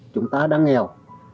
chúng ta đang nghèo